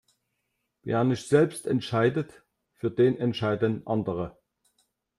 Wer nicht selbst entscheidet, für den entscheiden andere.